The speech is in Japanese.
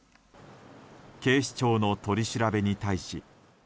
警視庁の取り調べに対し。